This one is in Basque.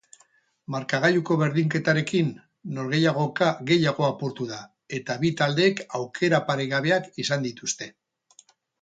Markagailuko berdinketarekin norgehiagoka gehiago apurtu da eta bi taldeek aukera paregabeak izan dituzte.